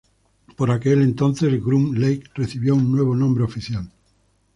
Por aquel entonces Groom Lake recibió un nuevo nombre oficial.